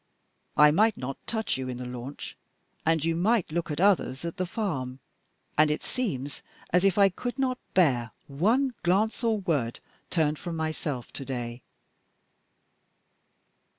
I might not touch you in the launch, and you might look at others at the farm and it seems as if I could not bear one glance or word turned from myself today!"